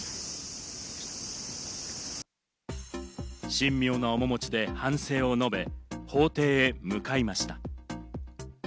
神妙な面もちで反省を述べ、法廷へ向かいました。